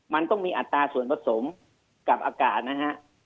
มันต้องมีอัตราส่วนผสมกับอากาศนะฮะ